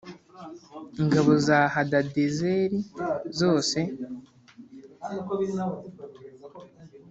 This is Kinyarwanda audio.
ingabo za Hadadezeri zose